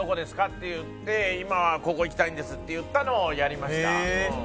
っていって「今ここ行きたいんです」って言ったのをやりました。